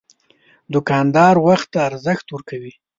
دوکاندار وخت ته ارزښت ورکوي.